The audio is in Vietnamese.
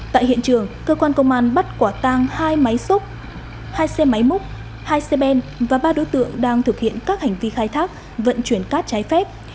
tại hiện trường cơ quan công an bắt quả tang hai máy xúc hai xe máy múc hai xe ben và ba đối tượng đang thực hiện các hành vi khai thác vận chuyển cát trái phép